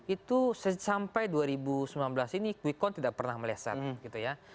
itu sampai dua ribu sembilan belas ini quickon tidak pernah melesat gitu ya